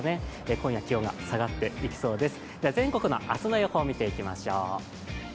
今夜、気温が下がっていきそうです